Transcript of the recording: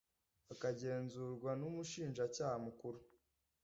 bakagenzurwa n Umushinjacyaha Mukuru